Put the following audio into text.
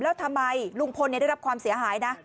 แล้วทำไมลุงพลได้รับความเสียหายนะ